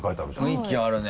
雰囲気あるね。